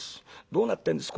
どうなってんです？